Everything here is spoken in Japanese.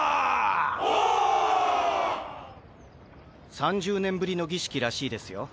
３０年ぶりの儀式らしいですよ。